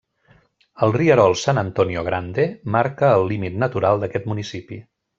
El rierol San Antonio Grande marca el límit natural d'aquest municipi.